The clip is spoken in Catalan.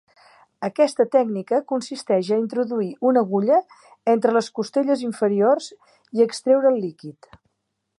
Aquesta tècnica consisteix a introduir una agulla entre les costelles inferiors i extreure el líquid.